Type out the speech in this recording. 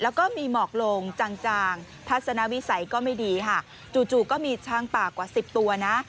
แล้วก็มีหมอกลงจางจางทัศนวิสัยก็ไม่ดีค่ะจู่ก็มีช้างป่ากว่า๑๐ตัวนะ